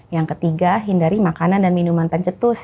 yang ketiga hindari makanan dan minuman pencetus